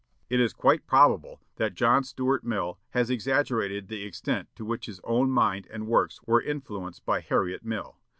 "It is quite probable that John Stuart Mill has exaggerated the extent to which his own mind and works were influenced by Harriet Mill.